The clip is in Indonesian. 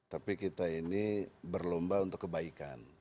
tapi kita ini berlomba untuk kebaikan